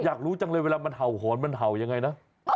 อยากรู้จังเลยเวลามันเห่าหอนมันเห่ายังไงนะ